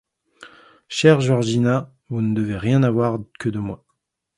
Chère Georgina, vous ne devez rien avoir que de moi.